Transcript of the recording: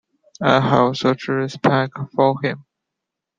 I have such respect for him.